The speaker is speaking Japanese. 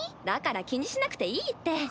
だから気にしなくていいって。